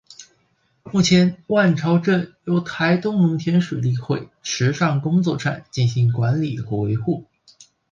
目前万朝圳由台东农田水利会池上工作站进行管理与维护。